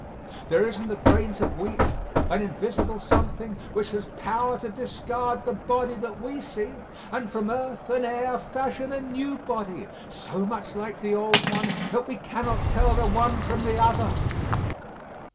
There is in the grain of wheat an invisible something which has power to discard the body that we see, and from earth and air fashion a new body so much like the old one that we cannot tell the one from the other.